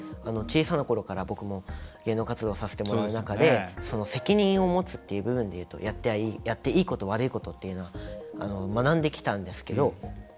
小さなころから僕も芸能活動をさせてもらう中で責任を持つっていう部分でいうとやっていいこと悪いことっていうのは学んできたんですけど。